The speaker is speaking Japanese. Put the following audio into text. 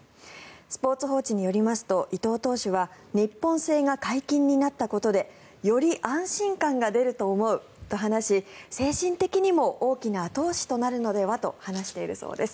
スポーツ報知によりますと伊藤投手は日本製が解禁になったことでより安心感が出ると思うと話し精神的にも大きな後押しとなるのではと話しています。